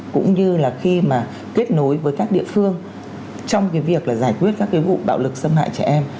cũng như là khi mà kết nối với các địa phương trong cái việc là giải quyết các cái vụ bạo lực xâm hại trẻ em